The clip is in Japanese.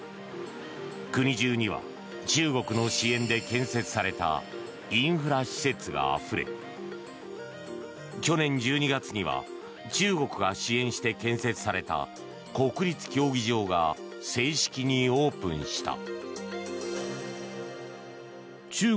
国中には中国の支援で建設されたインフラ施設があふれ去年１２月には中国が支援して建設された国立競技場が正式にオープンした。